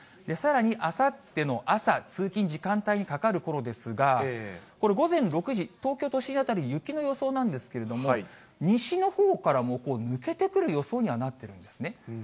さらにあさっての朝、通勤時間帯にかかるころですが、これ、午前６時、東京都心辺り、雪の予想なんですけれども、西のほうからもう抜けてくる予想にはなってるんですね。